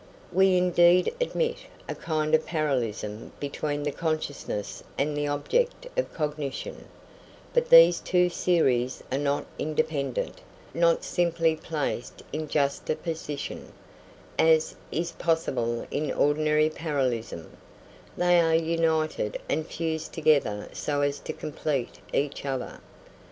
We indeed admit a kind of parallelism between the consciousness and the object of cognition; but these two series are not independent, not simply placed in juxtaposition as is possible in ordinary parallelism; they are united and fused together so as to complete each other.